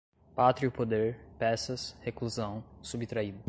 pátrio poder, peças, reclusão, subtraído